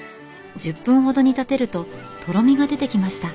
１０分ほど煮立てるととろみが出てきました。